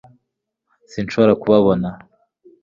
sinshobora kubabona